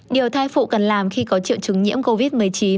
điều thai phụ cần làm khi có triệu chứng nhiễm covid một mươi chín